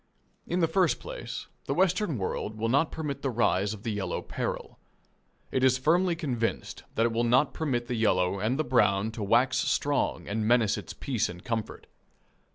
In the first place, the Western world will not permit the rise of the yellow peril. It is firmly convinced that it will not permit the yellow and the brown to wax strong and menace its peace and comfort.